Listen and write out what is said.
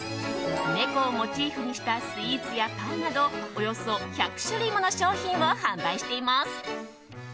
猫をモチーフにしたスイーツやパンなどおよそ１００種類もの商品を販売しています。